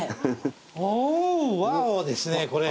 おおワオですねこれ。